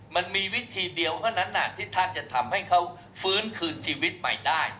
มันมีวิธีเดียวเท่านั้นที่ท่านจะทำให้เขาฟื้นคืนชีวิตใหม่ได้